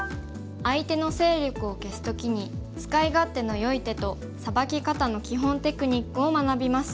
相手の勢力を消す時に使い勝手のよい手とサバキ方の基本テクニックを学びます。